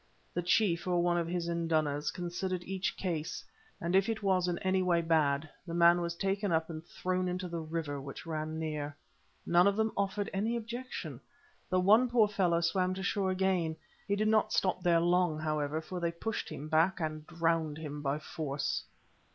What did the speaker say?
The chief or one of his indunas considered each case, and if it was in any way bad, the man was taken up and thrown into the river which ran near. None of them offered any objection, though one poor fellow swam to shore again. He did not stop there long, however, for they pushed him back and drowned him by force.